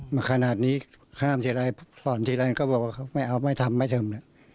มาขนาดนี้ห้ามเจรายฝ่อนเจรายก็บอกว่าไม่เอาไม่ทำไม่ทำ